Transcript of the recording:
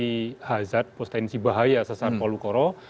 potensi azat potensi bahaya sesat palu koro